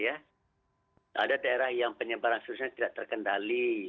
ada daerah yang penyebaran virusnya tidak terkendali